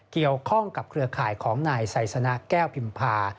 เกี่ยวข้องกับเครือข่ายของนายไซสนะแก้วพิมพา